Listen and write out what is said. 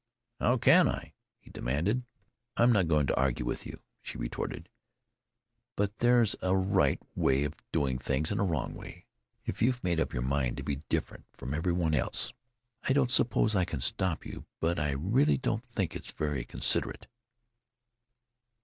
"How can I?" he demanded. "I'm not going to argue with you," she retorted. "But there's a right way of doing things and a wrong way. If you've made up your mind to be different from everybody else, I don't suppose I can stop you, but I really don't think it's very considerate."